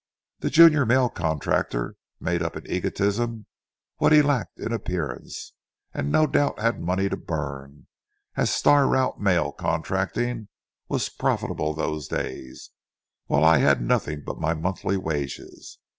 The junior mail contractor made up in egotism what he lacked in appearance, and no doubt had money to burn, as star route mail contracting was profitable those days, while I had nothing but my monthly wages.